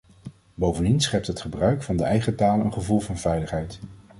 Bovendien schept het gebruik van de eigen taal een gevoel van veiligheid.